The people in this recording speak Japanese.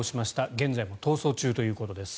現在も逃走中ということです。